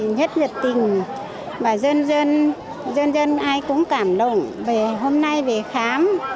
nhất nhật tình và dân dân dân dân ai cũng cảm động về hôm nay về khám